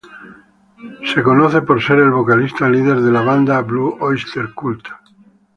Es conocido por ser el vocalista líder de la banda Blue Öyster Cult.